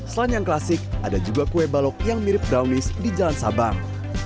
selain yang klasik ada juga kue balok yang mirip brownies di jalan sabang